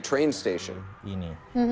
tren stasiun ini